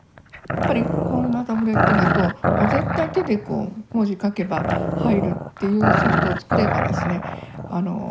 やっぱりこんなタブレットだともう絶対手でこう文字書けば入るっていうソフトを作ればですね